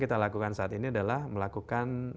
kita lakukan saat ini adalah melakukan